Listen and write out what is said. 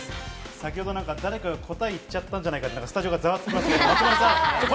先ほど誰かが答えを言ったのではないかとスタジオがざわつきました。